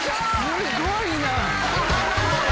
すごいな。